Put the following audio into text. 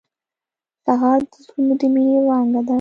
سهار د زړونو د مینې وړانګه ده.